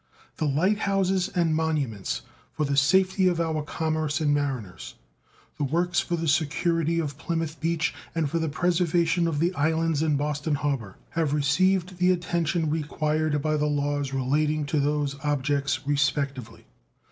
The light houses and monuments for the safety of our commerce and mariners, the works for the security of Plymouth Beach and for the preservation of the islands in Boston Harbor, have received the attention required by the laws relating to those objects respectively.